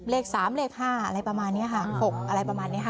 เลข๓เลข๕อะไรประมาณนี้ค่ะ๖อะไรประมาณนี้ค่ะ